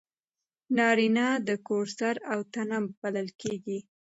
نارینه د کور سر او تنه بلل کېږي.